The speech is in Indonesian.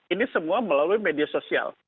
ini semua melalui media sosial